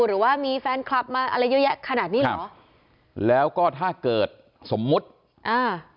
หรือว่ามีแฟนคลับมาอะไรเยอะแยะขนาดนี้เหรอแล้วก็ถ้าเกิดสมมุติอ่า